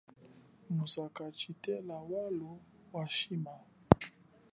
Musaka tshitela welo wa shima.